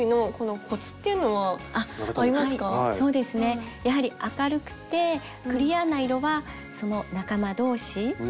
そうですねやはり明るくてクリアな色はその仲間同士。